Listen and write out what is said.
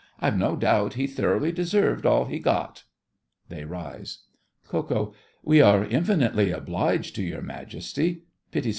I've no doubt he thoroughly deserved all he got. (They rise.) KO. We are infinitely obliged to your Majesty—— PITTI.